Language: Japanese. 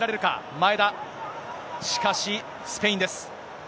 前田、しかし、スペインです。